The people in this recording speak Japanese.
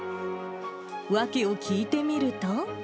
訳を聞いてみると。